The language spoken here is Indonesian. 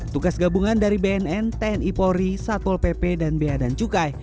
tugas gabungan dari bnn tni polri satol pp dan bad cukai